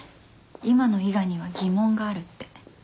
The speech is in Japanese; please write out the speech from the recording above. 今の伊賀には疑問があるって。